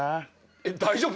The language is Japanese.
えっ大丈夫？